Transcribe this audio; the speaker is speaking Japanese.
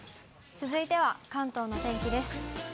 続いては関東のお天気です。